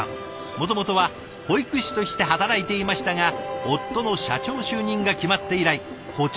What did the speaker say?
もともとは保育士として働いていましたが夫の社長就任が決まって以来こちらの会社に。